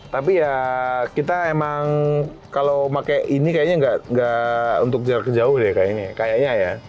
tapi ya kita emang kalau pakai ini kayaknya nggak untuk jarak jauh deh kayaknya ya